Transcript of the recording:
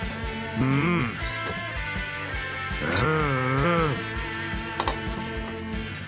うんうん！